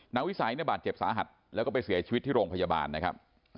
วิสัยเนี่ยบาดเจ็บสาหัสแล้วก็ไปเสียชีวิตที่โรงพยาบาลนะครับ